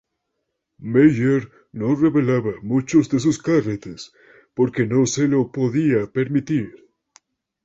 Maier no revelaba muchos de sus carretes porque no se lo podía permitir.